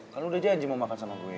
kan lo udah janji mau makan sama gue